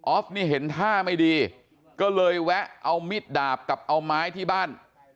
นี่เห็นท่าไม่ดีก็เลยแวะเอามิดดาบกับเอาไม้ที่บ้าน